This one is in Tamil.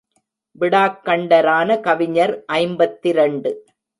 விடாக் கண்டரான கவிஞர் ஐம்பத்திரண்டு.